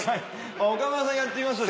岡村さんやってみましょう。